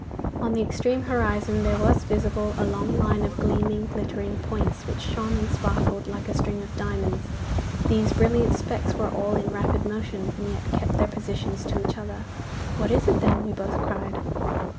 On the extreme horizon there was visible a long line of gleaming, glittering points, which shone and sparkled like a string of diamonds. These brilliant specks were all in rapid motion, and yet kept their positions to each other. 'What is it, then?' we both cried.